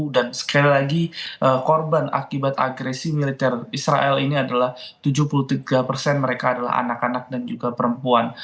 dan sekali lagi korban akibat agresi militer israel ini adalah tujuh puluh tiga mereka adalah anak anak dan juga perempuan